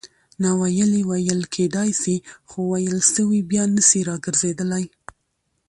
ناویلي ویل کېدای سي؛ خو ویل سوي بیا نه سي راګرځېدلای.